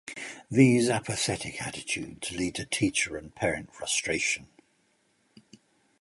These apathetic attitudes lead to teacher and parent frustration.